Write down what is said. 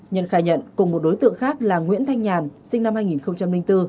nhân khai nhận cùng một đối tượng khác là nguyễn thanh nhàn sinh năm hai nghìn bốn